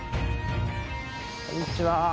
こんにちは。